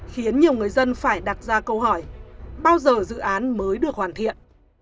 khiến nhiều người dân phải đặt ra câu hỏi bao giờ dự án mới được hoàn thiện